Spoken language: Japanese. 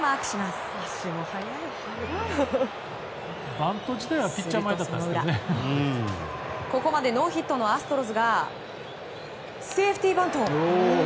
すると、ここまでノーヒットのアストロズがセーフティーバント！